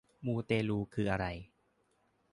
มูเตลูคืออะไร